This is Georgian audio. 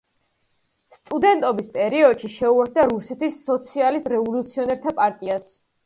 სტუდენტობის პერიოდში შეუერთდა რუსეთის სოციალისტ-რევოლუციონერთა პარტიას.